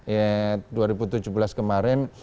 ya dua ribu tujuh belas kemarin